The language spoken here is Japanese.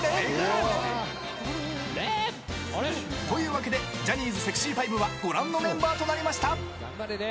というわけでジャニーズセクシー５はご覧のメンバーとなりました。